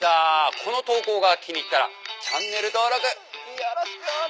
この投稿が気に入ったらチャンネル登録よろしくお願いします。